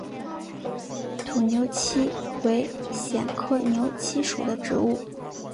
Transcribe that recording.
土牛膝为苋科牛膝属的植物。